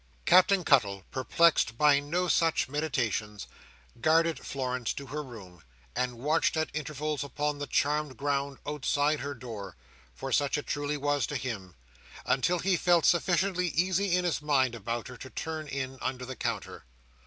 Captain Cuttle, perplexed by no such meditations, guarded Florence to her room, and watched at intervals upon the charmed ground outside her door—for such it truly was to him—until he felt sufficiently easy in his mind about her, to turn in under the counter.